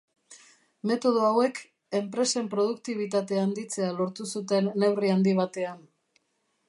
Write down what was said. Metodo hauek, enpresen produktibitate handitzea lortu zuten neurri handi batean.